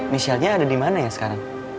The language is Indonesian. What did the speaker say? michelle nya ada dimana ya sekarang